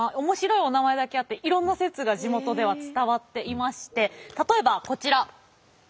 面白いおなまえだけあっていろんな説が地元では伝わっていまして例えばこちら。